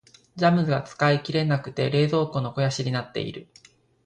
ジャムが使い切れなくて冷蔵庫の肥やしになっている。